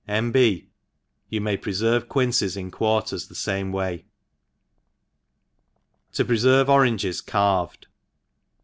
N. B, You may pr? ferre quinces in quarters the fame way^ To freferve Oranges carved.